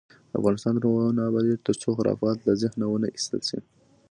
افغانستان تر هغو نه ابادیږي، ترڅو خرافات له ذهنه ونه ایستل شي.